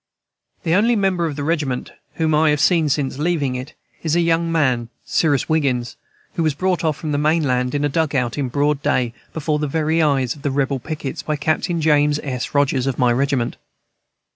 The only member of the regiment whom I have seen since leaving it is a young man, Cyrus Wiggins, who was brought off from the main land in a dug out, in broad day, before the very eyes of the rebel pickets, by Captain James S. Rogers, of my regiment.